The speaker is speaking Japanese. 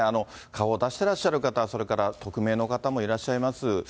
顔を出してらっしゃる方、それから匿名の方もいらっしゃいます。